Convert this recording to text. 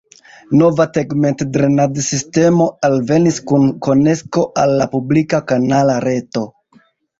Nova tegmentdrenadsistemo alvenis kun konekso al la publika kanala reto.